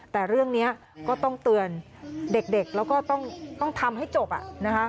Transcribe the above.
แต่เรื่องนี้ก็ต้องเตือนเด็กแล้วก็ต้องทำให้จบนะคะ